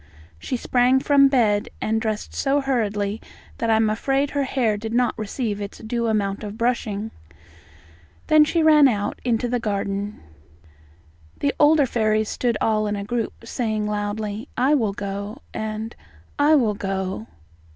She sprang from bed and dressed so hurriedly that I am afraid her hair did not receive its due amount of brushing. Then she ran out into the garden. The older fairies stood all in a group, saying loudly "I will go," and "I will go."